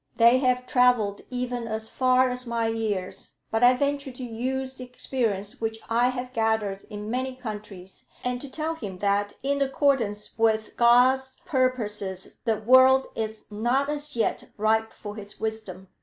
They have travelled even as far as my ears; but I venture to use the experience which I have gathered in many countries, and to tell him that in accordance with God's purposes the world is not as yet ripe for his wisdom."